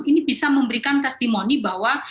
ini bisa memberikan testimoni bahwa